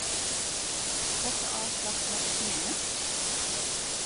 Hokker ôfslach moat ik nimme?